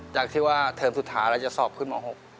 จากที่ว่าเทอมสุดท้ายเราจะสอบขึ้นม๖